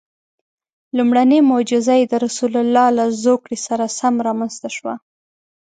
لومړنۍ معجزه یې د رسول الله له زوکړې سره سم رامنځته شوه.